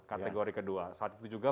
kategori kedua saat itu juga